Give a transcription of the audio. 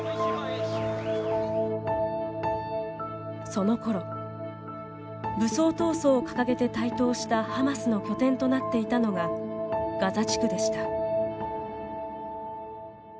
そのころ武装闘争を掲げて台頭したハマスの拠点となっていたのがガザ地区でした。